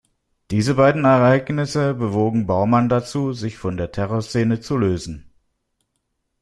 Diese beiden Ereignisse bewogen Baumann dazu, sich von der Terror-Szene zu lösen.